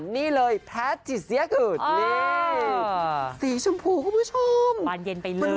นี่เลยแพ้จิตเสียเกิดนี่สีชมพูคุณผู้ชมบานเย็นไปเลย